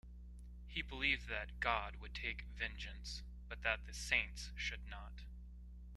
He believed that God would take vengeance, but that the saints should not.